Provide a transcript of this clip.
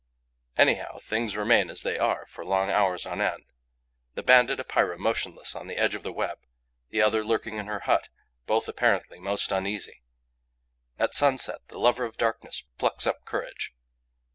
Anyhow, things remain as they are for long hours on end: the Banded Epeira motionless on the edge of the web; the other lurking in her hut; both apparently most uneasy. At sunset, the lover of darkness plucks up courage.